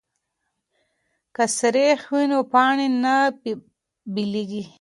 که سریښ وي نو پاڼې نه بېلیږي.